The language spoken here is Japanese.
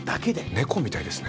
猫みたいですね。